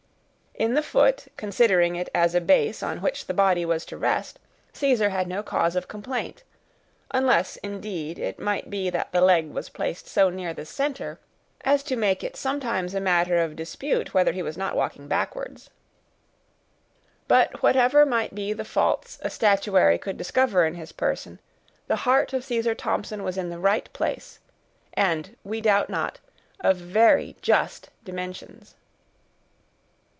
In the foot, considering it as a base on which the body was to rest, Caesar had no cause of complaint, unless, indeed, it might be that the leg was placed so near the center, as to make it sometimes a matter of dispute, whether he was not walking backwards. But whatever might be the faults a statuary could discover in his person, the heart of Caesar Thompson was in the right place, and, we doubt not, of very just dimensions.